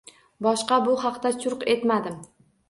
Boshqa bu haqda churq etmadim